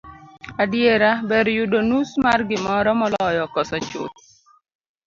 adiera, ber yudo nus mar gimoro moloyo koso chuth